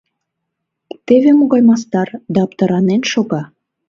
Теве могай мастар, да аптыранен шога...